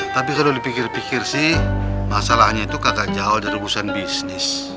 tapi kalau dipikir pikir sih masalahnya itu kata jauh dari urusan bisnis